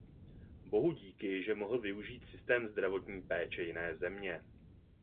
Bohudíky, že mohl využít systém zdravotní péče jiné země.